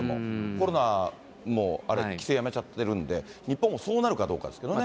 コロナも規制やめちゃってるんで、日本もそうなるかどうかですけれどもね。